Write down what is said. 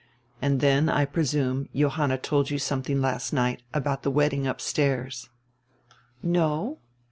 And then, I presume, Johanna told you somediing last night, about die wedding upstairs." "No."